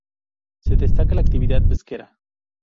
Se destaca la actividad pesquera.